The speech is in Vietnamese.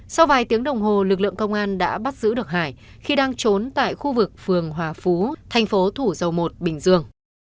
các lực lượng công an đã bắt giữ được hải khi đang trốn tại khu vực phường hòa phú thành phố thủ dầu một bình dương